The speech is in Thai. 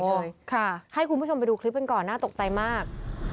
ขึ้นฟ้าเฉยเลยค่ะให้คุณผู้ชมไปดูคลิปเป็นก่อนน่าตกใจมาก